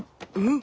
ん。